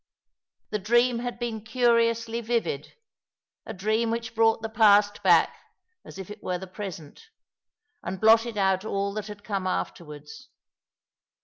The dream had been curiously vivid — a dream which brought the past back as if it were the present, and blotted out all that had come afterwards.